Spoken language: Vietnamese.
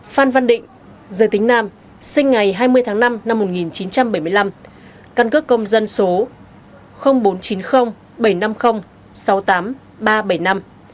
hai phan văn định giới tính nam sinh ngày hai mươi tháng năm năm một nghìn chín trăm bảy mươi năm căn cước công dân số bốn chín không bảy năm không sáu tám ba bảy năm